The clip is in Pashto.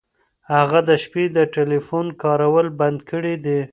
هغه د شپې د ټیلیفون کارول بند کړي دي.